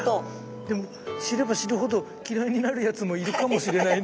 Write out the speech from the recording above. でも知れば知るほど嫌いになるやつもいるかもしれないね。